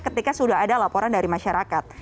ketika sudah ada laporan dari masyarakat